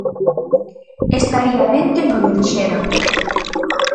Estaría ben que nolo dixeran.